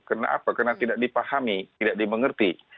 kenapa karena tidak dipahami tidak dimengerti